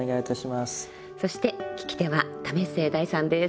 そして聞き手は為末大さんです。